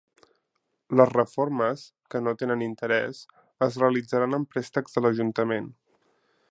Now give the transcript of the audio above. Les reformes, que no tenen interès, es realitzaren amb préstecs de l'Ajuntament.